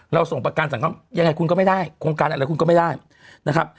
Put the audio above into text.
ส่งประกันสังคมยังไงคุณก็ไม่ได้โครงการอะไรคุณก็ไม่ได้นะครับ